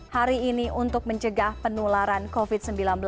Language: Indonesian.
hari ini untuk mencegah penularan covid sembilan belas